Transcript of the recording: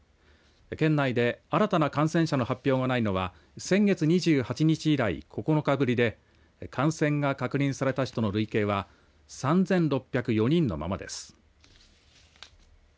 県内で新たな感染者の発表がないのは先月２８日以来、９日ぶりで感染が確認された人の累計は３６０４人のままです。